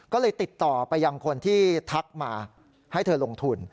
ก็เลยติดต่อไปยังคนที่ทักมาให้เธอลงทุน